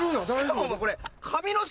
しかもお前これ。